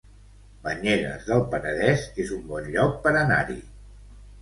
Banyeres del Penedès es un bon lloc per anar-hi